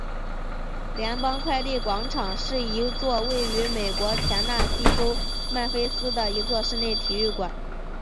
联邦快递广场是一座位于美国田纳西州曼菲斯的一座室内体育馆。